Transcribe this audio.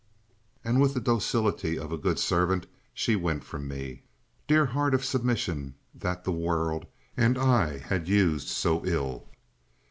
And, with the docility of a good servant, she went from me. Dear heart of submission that the world and I had used so ill!